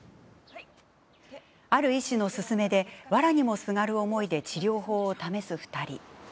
ある医師の勧めでわらにもすがる思いで治療法を試す２人。